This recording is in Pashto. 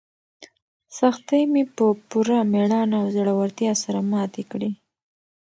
سختۍ مې په پوره مېړانه او زړورتیا سره ماتې کړې.